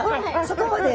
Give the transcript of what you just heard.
そこまで？